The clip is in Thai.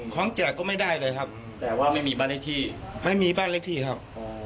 แจกก็ไม่ได้เลยครับแต่ว่าไม่มีบ้านเลขที่ไม่มีบ้านเลขที่ครับ